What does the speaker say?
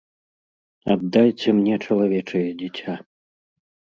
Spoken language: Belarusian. Аддайце мне чалавечае дзіця!